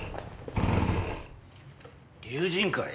龍神会？